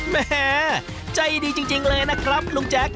แม่ใจดีจริงเลยนะครับลุงแจ๊ค